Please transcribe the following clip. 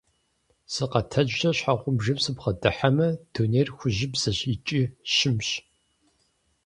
Сыкъэтэджрэ щхьэгъубжэм сыбгъэдыхьэмэ, дунейр хужьыбзэщ икӀи щымщ.